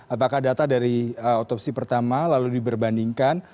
apakah data dari otopsi pertama lalu diberbandingkan